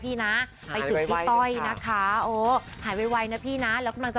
ไปถึงพี่ป๋ย์ก็กำลังจะ